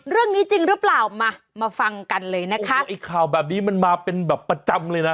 จริงหรือเปล่ามามาฟังกันเลยนะคะไอ้ข่าวแบบนี้มันมาเป็นแบบประจำเลยนะ